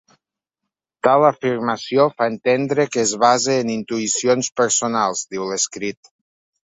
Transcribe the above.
Tal afirmació fa entendre que es basa en intuïcions personals, diu l’escrit.